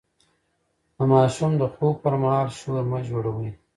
د ماشوم د خوب پر مهال شور مه جوړوئ.